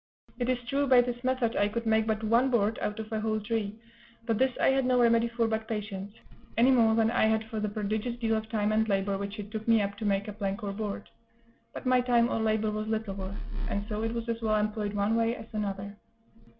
It is true, by this method I could make but one board out of a whole tree; but this I had no remedy for but patience, any more than I had for the prodigious deal of time and labor which it took me up to make a plank or board; but my time or labor was little worth, and so it was as well employed one way as another.